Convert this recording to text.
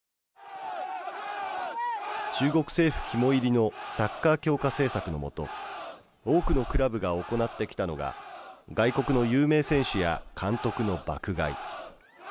中国政府肝いりのサッカー強化政策のもと多くのクラブが行ってきたのが外国の有名選手や監督の爆買い。